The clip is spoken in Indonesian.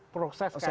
proses kearah sana